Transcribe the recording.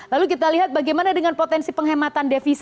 lalu kita lihat bagaimana dengan potensi penghematan devisa